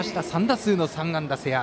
３打数の３安打、瀬谷。